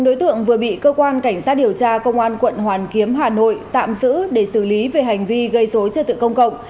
một mươi bốn đối tượng vừa bị cơ quan cảnh sát điều tra công an quận hoàn kiếm hà nội tạm xử để xử lý về hành vi gây dối cho tự công cộng